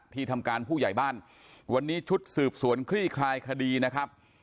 ที่ทำการผู้ใหญ่บ้านวันนี้ชุดสืบสวนคลี่คลายคดีนะครับ